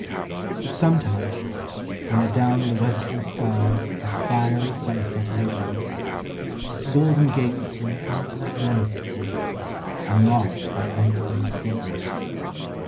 But sometimes, when adown the western sky A fiery sunset lingers, Its golden gates swing inward noiselessly, Unlocked by unseen fingers.